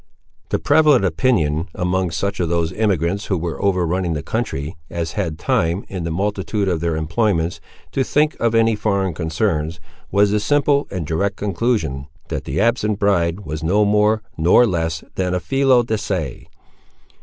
The prevalent opinion, among such of those emigrants who were over running the country, as had time, in the multitude of their employments, to think of any foreign concerns, was the simple and direct conclusion that the absent bride was no more nor less than a felo de se.